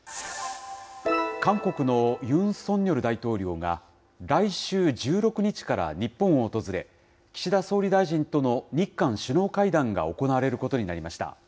韓国のユン・ソンニョル大統領が、来週１６日から日本を訪れ、岸田総理大臣との日韓首脳会談が行われることになりました。